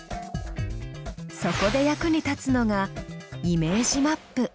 そこで役に立つのがイメージマップ。